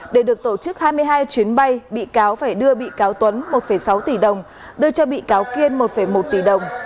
để được tổ chức hai mươi hai chuyến bay bị cáo phải đưa bị cáo tuấn một sáu tỷ đồng đưa cho bị cáo kiên một một tỷ đồng